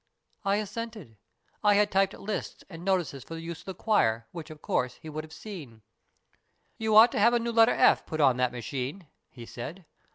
" I assented. I had typed lists and notices for the use of the choir, which, of course, he would have seen. "'You ought to have a new letter "f" put on that machine,' he said.